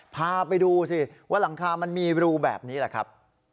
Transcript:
พาไปดูสิว่าหลังคามันมีรูแบบนี้แหละครับ